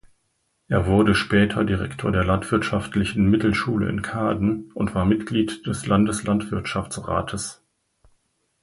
Er wurde später Direktor der Landwirtschaftlichen Mittelschule in Kaaden und war Mitglied des Landeslandwirtschaftsrates.